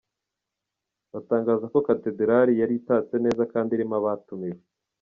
Batangaza ko Katedalari yari itatse neza kandi irimo abatumiwe.